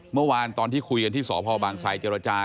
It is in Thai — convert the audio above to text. เมื่อวานตอนที่คุยกันที่สพบางไซเจรจา